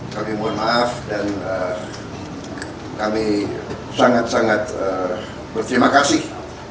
kami mohon maaf dan kami sangat sangat berterima kasih